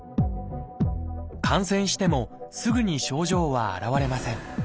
感染してもすぐに症状は現れません。